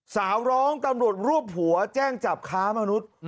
ร้องตำรวจรวบหัวแจ้งจับค้ามนุษย์